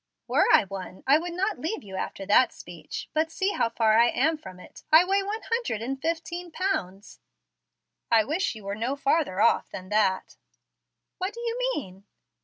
"Were I one, I would not leave you after that speech. But see how far I am from it. I weigh one hundred and fifteen pounds." "I wish you were no farther off than that." "What do you mean?"